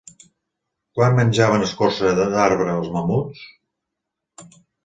Quan menjaven escorça d'arbre els mamuts?